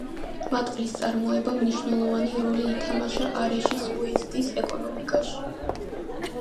მატყლის წარმოებამ მნიშვნელოვანი როლი ითამაშა არეშის უეზდის ეკონომიკაში.